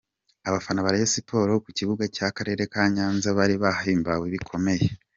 Abafana ba Rayon Sport ku kibuga cy’akarere ka Nyanza bari bahimbawe bikomeye.